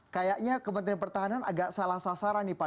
kayaknya kementerian pertahanan agak salah sasaran nih pak